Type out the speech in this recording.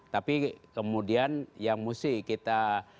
tapi kemudian yang mesti kita